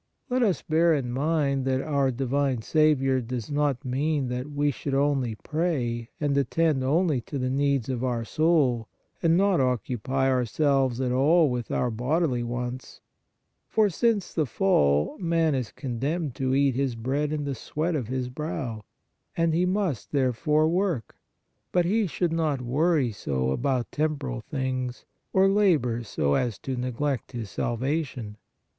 Let us bear in mind that our di vine Saviour does not mean that we should only pray and attend only to the needs of our soul, and not occupy ourselves at all with our bodily wants, for, since the fall, man is condemned to eat his bread in the sweat of his brow, and he must, there fore, work ; but he should not worry so about tem poral things or labor so as to neglect his salvation.